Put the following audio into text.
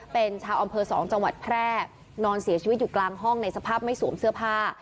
เป็นชาวอำเภอ๒จังหวัดแพร่นอนเสียชีวิตอยู่กลางห้องในสภาพไม่สวมเสื้อผ้า